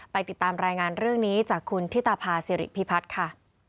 ติดตามรายงานเรื่องนี้จากคุณธิตภาษิริพิพัฒน์ค่ะ